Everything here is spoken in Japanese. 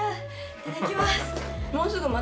いただきます。